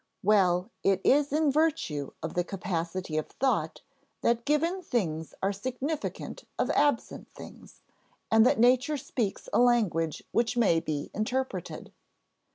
Well, it is in virtue of the capacity of thought that given things are significant of absent things, and that nature speaks a language which may be interpreted.